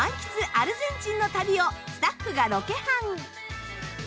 アルゼンチンの旅をスタッフがロケハン。